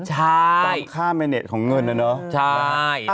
ต้องท่ามแมนเนสของเงินเนอะ